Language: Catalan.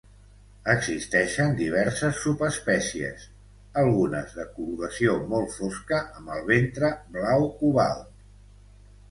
Existeixen diverses subespècies, algunes de coloració molt fosca amb el ventre blau cobalt.